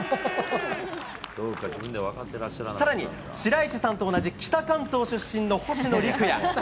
さらに、白石さんと同じ北関東出身の星野陸也。